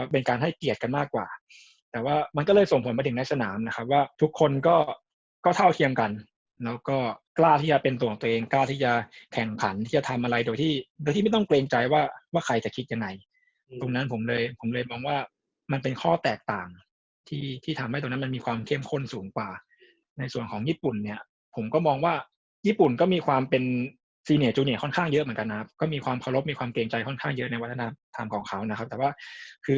เป็นการให้เกลียดกันมากกว่าแต่ว่ามันก็เลยส่งผลไปถึงในสนามว่าทุกคนก็เท่าเคียงกันแล้วก็กล้าที่จะเป็นตัวของตัวเองกล้าที่จะแข่งขันที่จะทำอะไรโดยที่ไม่ต้องเกรงใจว่าใครจะคิดยังไงตรงนั้นผมเลยมองว่ามันเป็นข้อแตกต่างที่ทำให้ตรงนั้นมีความเข้มข้นสูงกว่าในส่วนของญี่ปุ่นผมก็มองว่าญี่ปุ่